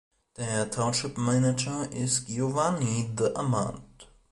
Der Township-Manager ist Giovanni D. Ahmad.